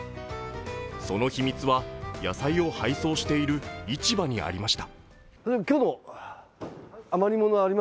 その秘密は野菜を配送している市場にありました。